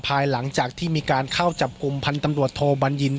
ภายหลังจากที่มีการเข้าจับกลุ่มพันธ์ตำรวจโทบัญญิน